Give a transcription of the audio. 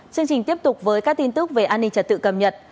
chương trình tiếp tục với các tin tức về an ninh trật tự cập nhật